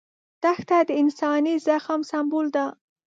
دښته د انساني زغم سمبول ده.